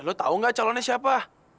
lu tau gak calonnya siapa